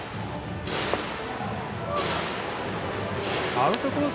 アウトコース